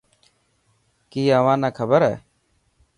ڪي اوهان نا کبر هي.